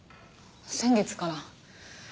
先月から。